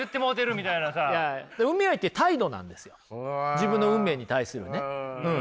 自分の運命に対するねうん。